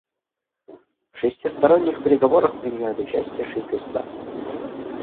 В шестисторонних переговорах принимают участие шесть государств.